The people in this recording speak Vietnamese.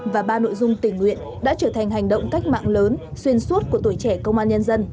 và ba nội dung tình nguyện đã trở thành hành động cách mạng lớn xuyên suốt của tuổi trẻ công an nhân dân